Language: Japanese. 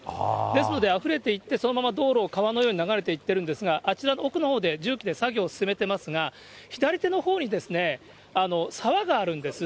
ですので、あふれていって、そのまま道路を川のように流れていっているんですが、あちらの奥のほうで重機で作業を進めておりますが、左手のほうに沢があるんです。